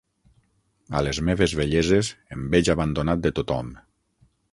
A les meves velleses, em veig abandonat de tothom.